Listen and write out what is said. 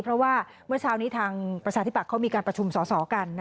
เพราะว่าเมื่อเช้านี้ทางประชาธิบัติเขามีการประชุมสอสอกัน